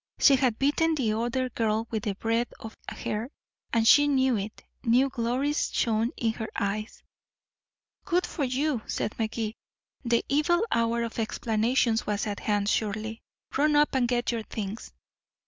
She had beaten the other girl by the breadth of a hair, and she knew it. New glories shone in her eyes. "Good for you!" said Magee. The evil hour of explanations was at hand, surely. "Run up and get your things."